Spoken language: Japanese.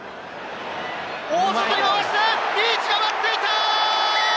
大外に回してリーチが待っていた！